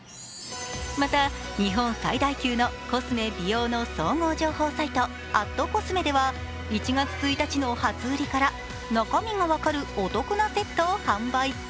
また日本最大級のコスメ・美容の総合情報サイト、＠コスメでは１月１日の初売りから、中身が分かるお得なセットを販売。